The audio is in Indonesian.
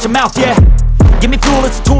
aku tahu ini salah mita